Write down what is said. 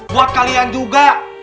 buat kalian juga